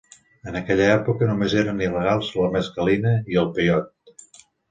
En aquella època, només eren il·legals la mescalina i el peiot.